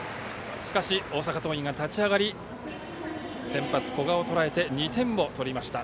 しかし、大阪桐蔭が立ち上がり先発、古賀をとらえて２点を取りました。